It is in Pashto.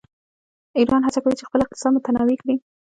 ایران هڅه کوي چې خپل اقتصاد متنوع کړي.